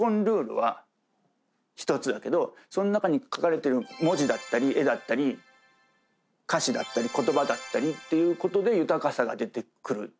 その中に描かれてる文字だったり絵だったり歌詞だったり言葉だったりっていうことで豊かさが出てくる。